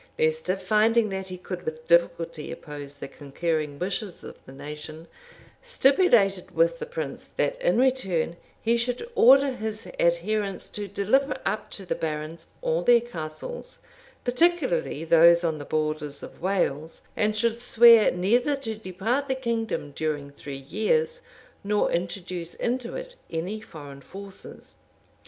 [*] Leicester, finding that he could with difficulty oppose the concurring wishes of the nation, stipulated with the prince, that, in return, he should order his adherents to deliver up to the barons all their castles, particularly those on the borders of Wales; and should swear neither to depart the kingdom during three years, nor introduce into it any foreign forces.